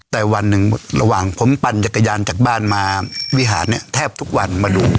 แต่วันหนึ่งระหว่างผมปั่นจักรยานจากบ้านมาวิหารเนี่ยแทบทุกวันมาดู